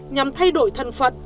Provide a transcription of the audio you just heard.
nhằm thay đổi thân phận